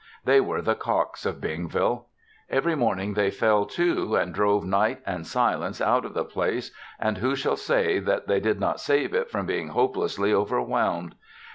They were the cocks of Bingville. Every morning they fell to and drove Night and Silence out of the place and who shall say that they did not save it from being hopelessly overwhelmed.